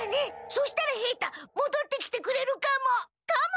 そしたら平太もどってきてくれるかも。かも！